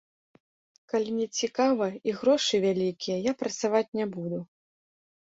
Калі нецікава і грошы вялікія, я працаваць не буду.